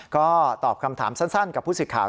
ก็ตอบคำถามสั้นกับผู้สื่อข่าว